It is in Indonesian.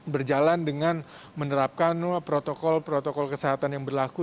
berjalan dengan menerapkan protokol protokol kesehatan yang berlaku